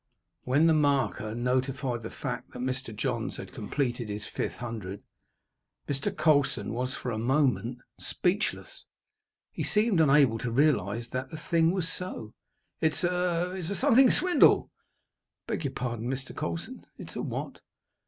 When the marker notified the fact that Mr. Johns had completed his fifth hundred, Mr. Colson was, for a moment, speechless. He seemed unable to realize that the thing was so. "It's a something swindle!" "I beg your pardon, Mr. Colson it's a what?"